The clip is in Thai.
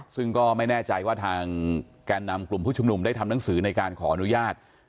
ซึ่งก็ไม่แน่ใจว่าทางแก่นำกลุ่มผู้ชุมนุมได้ทำหนังสือในการขออนุญาต